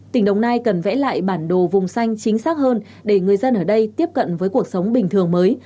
tỉnh đồng nai cần vẽ lại bản đồ vùng xanh chính xác hơn để người dân ở đây tiếp cận với cuộc sống bình thường mới